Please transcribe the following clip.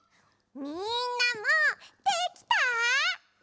みんなもできた？